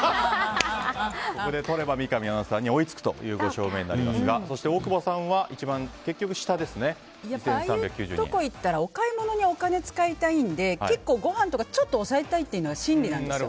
ここでとれば三上アナウンサーに追いつく５勝目になりますがそして、大久保さんはああいうところに行ったらお買い物にお金使いたいので結構ごはんとかちょっと抑えたいっていうのが心理なんですよ。